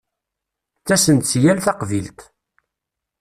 Ttasen-d si yal taqbilt.